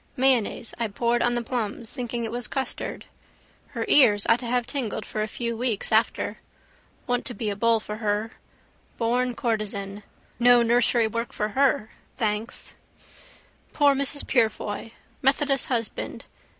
Mayonnaise I poured on the plums thinking it was custard. Her ears ought to have tingled for a few weeks after. Want to be a bull for her. Born courtesan. No nursery work for her, thanks. Poor Mrs Purefoy! Methodist husband.